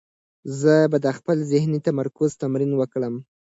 زه به د خپل ذهني تمرکز تمرین وکړم.